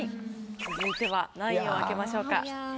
続いては何位を開けましょうか？